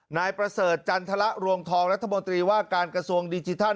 นายประเสริฐจันทรรวงทองรัฐมนตรีว่าการกระทรวงดิจิทัล